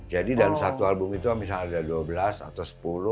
jadi dalam satu album itu misalnya ada dua belas atau sepuluh